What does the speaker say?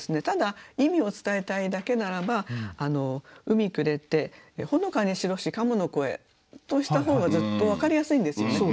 ただ意味を伝えたいだけならば「海暮れてほのかに白し鴨の声」とした方がずっと分かりやすいんですよね。